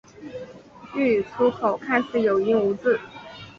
粤语粗口看似有音无字。